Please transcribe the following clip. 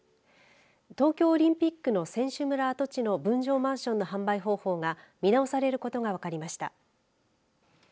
東京オリンピックの選手村跡地の分譲マンションの販売方法が見直されることが分かりました。